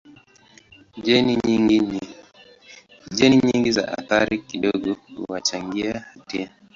Jeni nyingi za athari kidogo huchangia hatari.